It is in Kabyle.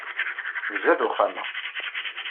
Izad uxxam-a.